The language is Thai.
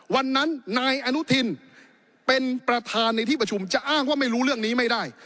วันนั้นนายอนุทินเป็นประธานในที่ประชุมจะอ้างว่าไม่รู้เรื่องนี้ไม่ได้